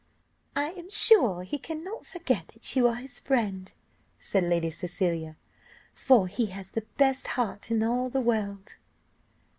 "I am sure he cannot forget that you are his friend," said Lady Cecilia; "for he has the best heart in the world."